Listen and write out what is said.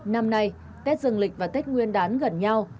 năm nay tết dừng lịch và tết nguyên đán gần nhau